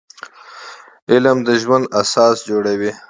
علم د ژوند اساس جوړوي